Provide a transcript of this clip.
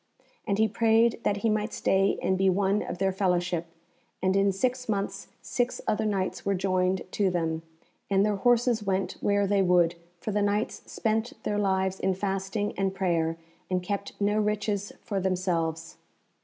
And he prayed that he might stay and be one of their fellowship, and in six months six other Knights were joined to them, and their horses went where they would, for the Knights spent their lives in fasting and prayer, and kept no riches for themselves.